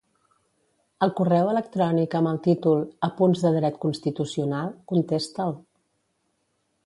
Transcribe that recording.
El correu electrònic amb el títol "Apunts de dret constitucional", contesta'l.